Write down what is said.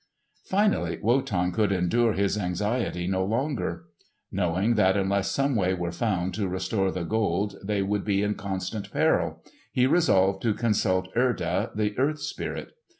Finally Wotan could endure his anxiety no longer. Knowing that unless some way were found to restore the Gold they would be in constant peril, he resolved to consult Erda, the earth spirit.